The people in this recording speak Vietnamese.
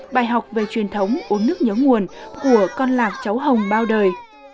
bài học về truyền thống uống nước nhớ nguồn của con lạc cháu hồng bao đời